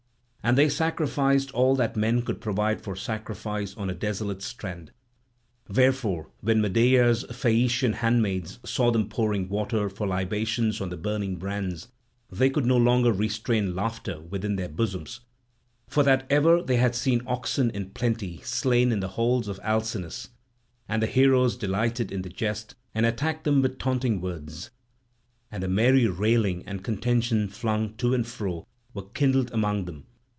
And they sacrificed all that men could provide for sacrifice on a desolate strand; wherefore when Medea's Phaeacian handmaids saw them pouring water for libations on the burning brands, they could no longer restrain laughter within their bosoms, for that ever they had seen oxen in plenty slain in the halls of Alcinous. And the heroes delighted in the jest and attacked them with taunting words; and merry railing and contention flung to and fro were kindled among them.